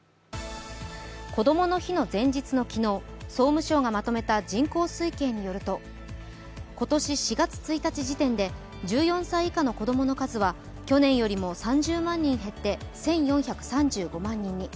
こどもの日の前日の昨日総務省がまとめた人口推計によると今年４月１日時点で、１４歳以下の子供の数は、去年よりも３０万人減って１４３５万人に。